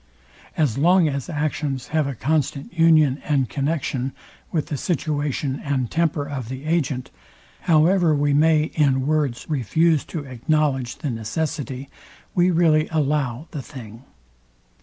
As long as actions have a constant union and connexion with the situation and temper of the agent, however we may in words refuse to acknowledge the necessity, we really allow the thing.